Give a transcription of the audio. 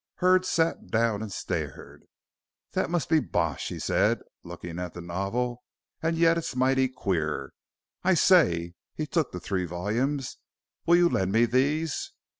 Hurd sat down and stared. "That must be bosh," he said, looking at the novel, "and yet it's mighty queer. I say," he took the three volumes, "will you lend me these?"